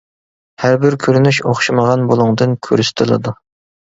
ھەر بىر كۆرۈنۈش ئوخشىمىغان بۇلۇڭدىن كۆرسىتىلىدۇ.